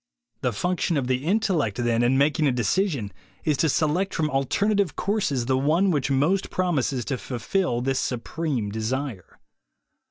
The function of the intellect, then, in making a decision, is to select from alternative courses the one which most promises to fulfill this supreme desire.